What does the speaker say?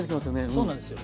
そうなんですよ。